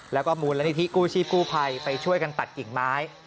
แล้วก็มูลนิธิกู้ชีพกู้ภัยไปช่วยกันตัดกิ่งไม้